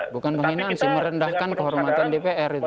bukan penghinaan sih merendahkan kehormatan dpr itu